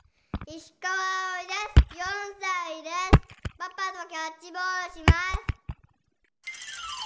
パパとキャッチボールします。